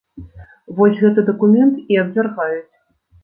Вось гэты дакумент і абвяргаюць.